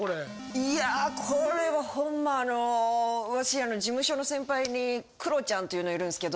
いやこれはホンマあの私事務所の先輩にクロちゃんっていうのいるんですけど。